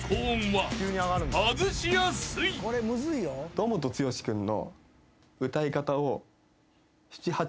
堂本剛君の。